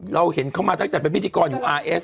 เราเห็นเขามาตั้งแต่เป็นพิธีกรอยู่อาร์เอส